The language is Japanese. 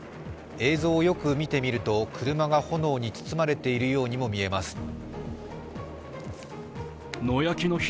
映像をよく見てみると、車が炎に包まれているようにも見えます。